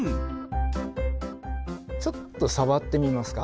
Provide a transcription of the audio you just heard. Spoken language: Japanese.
ちょっと触ってみますか？